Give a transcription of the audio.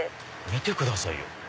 見てくださいよ。